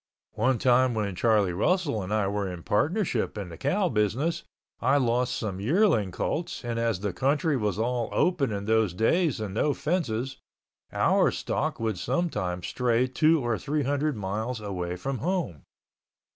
One time when Charlie Russell and I were in partnership in the cow business, I lost some yearling colts and as the country was all open in those days and no fences, our stock would sometimes stray two or three hundred miles away from home.